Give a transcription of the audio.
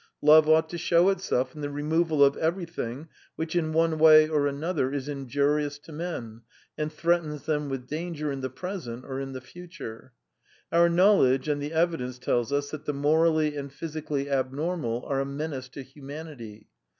Love ought to show itself in the removal of everything which in one way or another is injurious to men and threatens them with danger in the present or in the future. Our knowledge and the evidence tells us that the morally and physically abnormal are a menace to humanity.